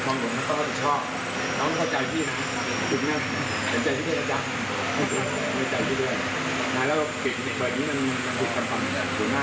ยังภาษาใจพี่นะร่วมจากคุณโปรดบันนะมันสู่ระจายที่ด้วย